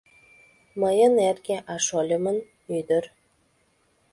Мыйын — эрге, а шольымын — ӱдыр.